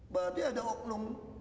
berarti ada oknum